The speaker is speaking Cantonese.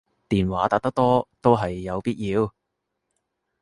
電話打得多都係有必要